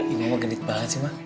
ini mama genit banget sih ma